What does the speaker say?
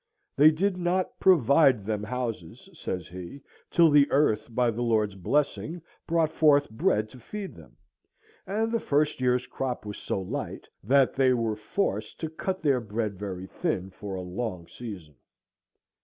They did not "provide them houses," says he, "till the earth, by the Lord's blessing, brought forth bread to feed them," and the first year's crop was so light that "they were forced to cut their bread very thin for a long season."